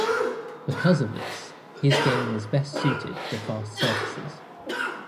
Because of this, his game is best suited to fast surfaces.